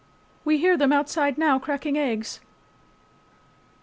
We hear them outside now cracking eggs.